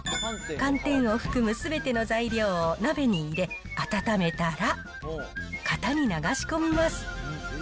寒天を含むすべての材料を鍋に入れ、温めたら、型に流し込みます。